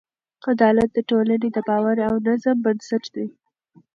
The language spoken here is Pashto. عدالت د ټولنې د باور او نظم بنسټ دی.